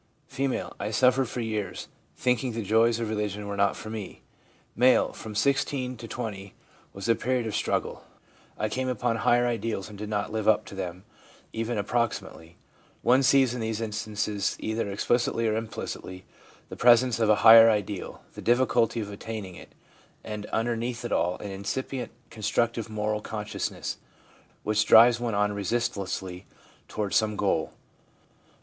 F. ■ I suffered for years, thinking the joys of religion were not for me.' M. 'From 16 to 20 was a period of struggle ; I came upon higher ideals and did not live ADOLESCENCE— STORM AND STRESS 215 up to them even approximately/ One sees in these instances, either explicitly or implicitly, the presence of a higher ideal, the difficulty of attaining it, and under neath it all an incipient, constructive moral conscious ness, which drives one on resistlessly toward some goal.